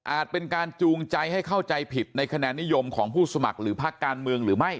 เป็นการจูงใจให้เข้าใจผิดในคะแนนนิยมของผู้สมัครหรือภาคการเมืองหรือไม่